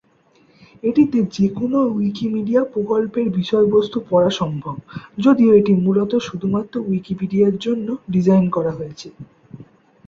এটিতে যে কোন উইকিমিডিয়া প্রকল্পের বিষয়বস্তু পড়া সম্ভব, যদিও এটি মূলত শুধুমাত্র উইকিপিডিয়ার জন্য ডিজাইন করা হয়েছে।